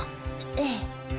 ええ。